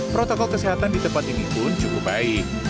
protokol kesehatan di tempat ini pun cukup baik